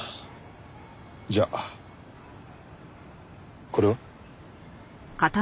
じゃあこれは？